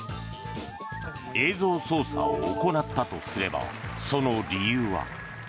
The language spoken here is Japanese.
映像操作を行ったとすればその理由は。